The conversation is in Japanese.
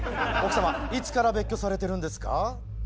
奥様いつから別居されてるんですか？